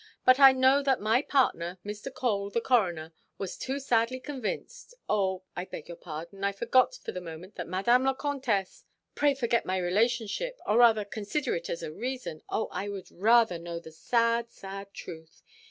But I know that my partner, Mr. Cole, the coroner, was too sadly convinced,—oh, I beg your pardon, I forgot for the moment that Madame la Comtesse——" "Pray forget my relationship, or rather consider it as a reason; oh, I would rather know the sad, sad truth.